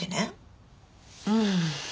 うん。